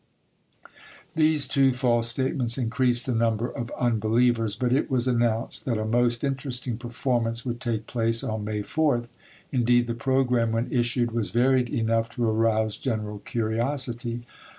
These two false statements increased the number of unbelievers; but it was announced that a most interesting performance would take place on May 4th; indeed, the programme when issued was varied enough to arouse general curiosity.